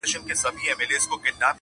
هره شېبه ولګېږي زر شمعي-